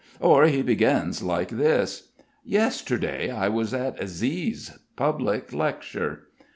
Or he begins like this, "Yesterday I was at Z's public lecture.